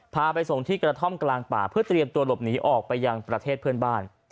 พาไปส่งที่กระท่อมกลางป่าเพื่อเตรียมตัวหลบหนีออกไปยังประเทศเพื่อนบ้าน